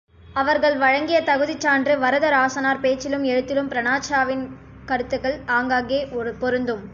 அவர்கள் வழங்கிய தகுதிச் சான்று வரதராசனார் பேச்சிலும் எழுத்திலும் பர்னாட்ஷாவின் கருத்துக்கள் ஆங்காங்கே பொருந்தும்.